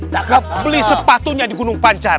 d'akab beli sepatunya di gunung pancar